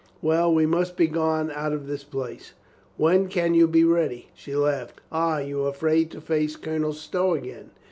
Well, we must be gone out of this place. When can you be ready?" She laughed. "Ah, you are afraid to face Colonel Stow again."